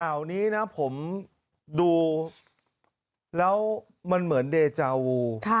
ข่าวนี้นะผมดูแล้วมันเหมือนเดจาวู